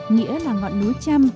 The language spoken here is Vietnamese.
nghĩa là ngọn núi trăm